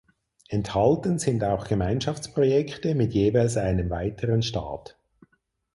Enthalten sind auch Gemeinschaftsprojekte mit jeweils einem weiteren Staat.